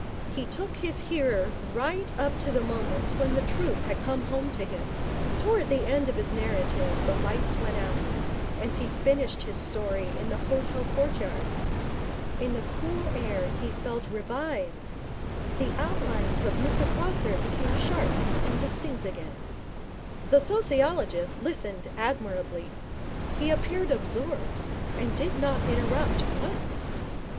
He took his hearer right up to the moment when the truth had come home to him. Towards the end of his narrative the lights went out, and he finished his story in the hotel courtyard. In the cool air he felt revived. The outlines of Mr Prosser became sharp and distinct again. The sociologist listened admirably. He appeared absorbed, and did not interrupt once.